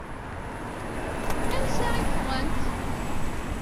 Ansa i ffɣent?